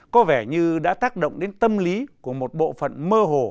có vẻ như đã tác động đến tâm lý của một bộ phận mơ hồ